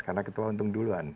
karena ketua untung duluan